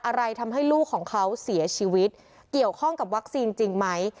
อะไรทำให้ลูกของเขาเสียชีวิตเกี่ยวข้องกับวัคซีนจริงไหม